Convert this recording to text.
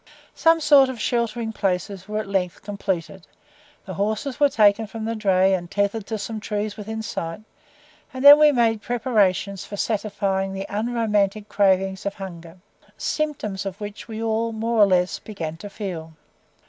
Some sort of sheltering places were at length completed; the horses were taken from the dray and tethered to some trees within sight, and then we made preparations for satisfying the unromantic cravings of hunger symptoms of which we all, more or less, began to feel.